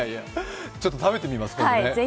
ちょっと食べてみます、今度ね。